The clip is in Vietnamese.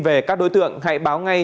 về các đối tượng hãy báo ngay